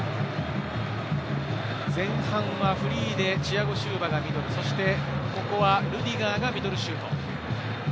前半はフリーでチアゴ・シウバがミドル、ここはルディガーがミドルシュート。